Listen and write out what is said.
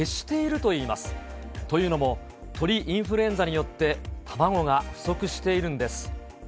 というのも、鳥インフルエンザによって、卵が不足しているんです。